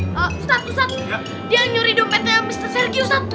ustazah dia nyuri dompetnya mr sergi ustazah